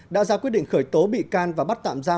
đã ra quyết định khởi tố bị can và bắt tạm giam